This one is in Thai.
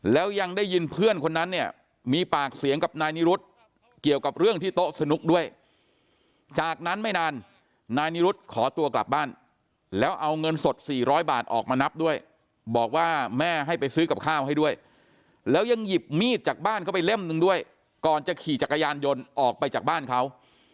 แล้วยังได้ยินเพื่อนคนนั้นเนี่ยมีปากเสียงกับนายนิรุธเกี่ยวกับเรื่องที่โต๊ะสนุกด้วยจากนั้นไม่นานนายนิรุธขอตัวกลับบ้านแล้วเอาเงินสด๔๐๐บาทออกมานับด้วยบอกว่าแม่ให้ไปซื้อกับข้าวให้ด้วยแล้วยังหยิบมีดจากบ้านเข้าไปเล่มหนึ่งด้วยก่อนจะขี่จักรยานยนต์ออกไปจากบ้านเขา